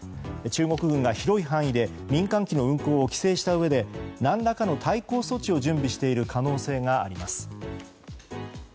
中国軍が広い範囲で民間機の運航を規制したうえで何らかの対抗措置を準備している可能性があります。